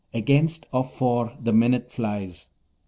Against or for the minute flies."